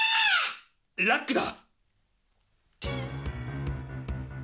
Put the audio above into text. ラックだ！